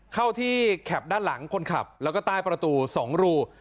เข้าที่แข็บด้านหลังคนขับแล้วก็ใต้ประตู๒รู